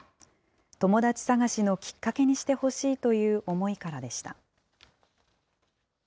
友達探しのきっかけにしてほしいという思いからでした。